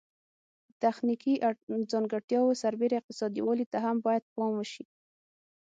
د تخنیکي ځانګړتیاوو سربیره اقتصادي والی ته هم باید پام وشي.